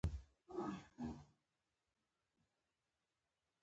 چټک پایله تل ښه نه وي.